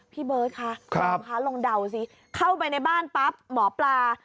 พี่เบิร์ดค่ะครับค่ะลงเดาสิเข้าไปในบ้านปั๊บหมอปลา